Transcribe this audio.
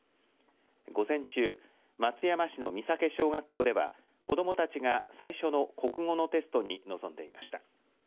午前中、松山市の味酒小学校では子どもたちが最初の国語のテストに臨んでいました。